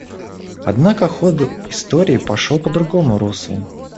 Однако ход истории пошел по другому руслу.